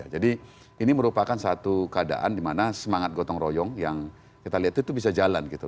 jadi ini merupakan satu keadaan dimana semangat gotong royong yang kita lihat itu bisa jalan gitu